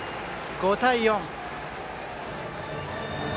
５対４。